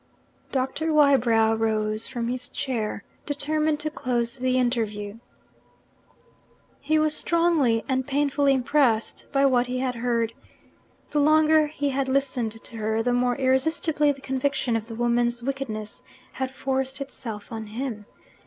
Doctor Wybrow rose from his chair, determined to close the interview. He was strongly and painfully impressed by what he had heard. The longer he had listened to her, the more irresistibly the conviction of the woman's wickedness had forced itself on him.